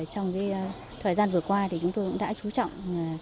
trong thời gian vừa qua chúng tôi đã chú trọng